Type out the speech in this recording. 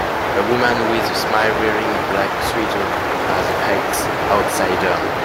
A woman with a smile wearing a black sweater has an axe outside down.